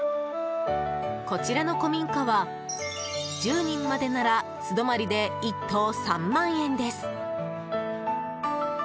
こちらの古民家は１０人までなら素泊まりで、１棟３万円です。